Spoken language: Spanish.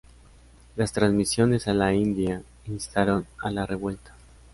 Las transmisiones a la India instaron a la revuelta.